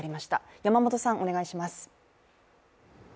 山本さん、お願いします。